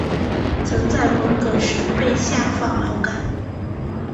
曾在文革时被下放劳改。